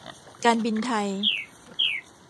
การบินไทย